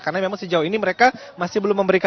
karena memang sejauh ini mereka masih belum memberikan